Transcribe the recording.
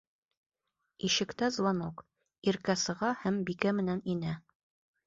Ишектә звонок, Иркә сыға һәм Бикә менән инә.